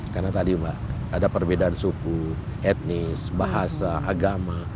karena tadi mbak ada perbedaan suku etnis bahasa agama